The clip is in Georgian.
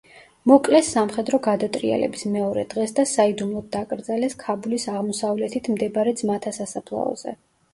მოკლეს სამხედრო გადატრიელების მეორე დღეს და საიდუმლოდ დაკრძალეს ქაბულის აღმოსავლეთით მდებარე ძმათა სასაფლაოზე.